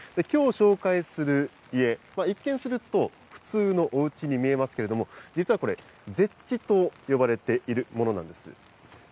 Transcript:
きょう紹介する家、一見すると、普通のおうちに見えますけれども、実はこれ、ＺＥＨと呼ばれているものなんです。